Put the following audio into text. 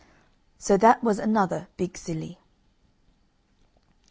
So that was another big silly.